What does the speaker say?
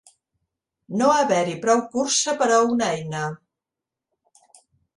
No haver-hi prou cursa per a una eina.